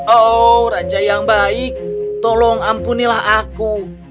oh raja yang baik tolong ampunilah aku